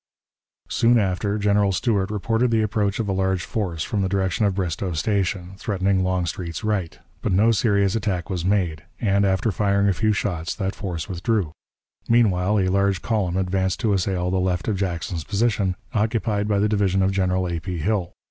Soon afterward General Stuart reported the approach of a large force from the direction of Bristoe Station, threatening Longstreet's right. But no serious attack was made, and, after firing a few shots, that force withdrew. Meanwhile a large column advanced to assail the left of Jackson's position, occupied by the division of General A. P. Hill.